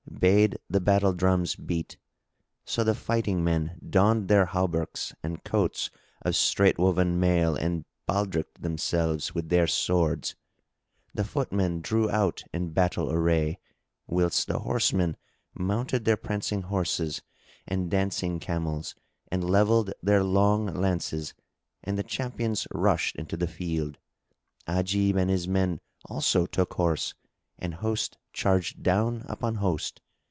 bade the battle drums beat. So the fighting men donned their hauberks and coats of straitwoven mail and baldrick'd themselves with their swords; the footmen drew out in battle array, whilst the horsemen mounted their prancing horses and dancing camels and levelled their long lances, and the champions rushed into the field. Ajib and his men also took horse and host charged down upon host.